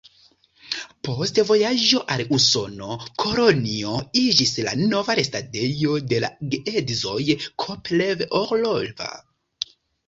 Post vojaĝo al Usono, Kolonjo iĝis la nova restadejo de la geedzoj Kopelev-Orlova.